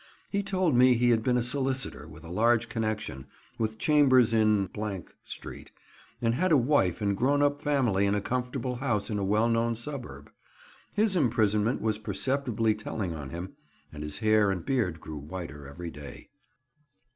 He told me he had been a solicitor with a large connection, with chambers in — Street, and had a wife and grown up family in a comfortable house in a well known suburb. His imprisonment was perceptibly telling on him, and his hair and beard grew whiter every day.